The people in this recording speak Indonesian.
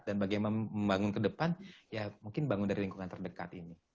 dan bagaimana membangun ke depan ya mungkin bangun dari lingkungan terdekat ini